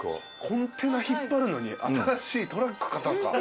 コンテナ引っ張るのに新しいトラック買ったんすか？